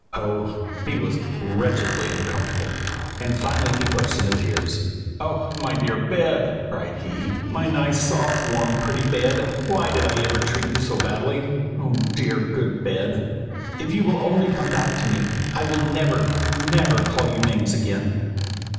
Oh! he was wretchedly uncomfortable, and finally he burst into tears. 'Oh! my dear bed!' cried he. 'My nice, soft, warm, pretty bed! why did I ever treat you so badly? oh! dear good bed, if you will only come back to me, I will never, never call you names again.